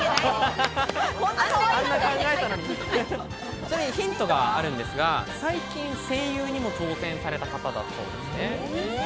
ちなみにヒントがあるんですが、最近、声優にも挑戦された方だということです。